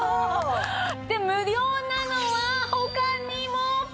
無料なのは他にも。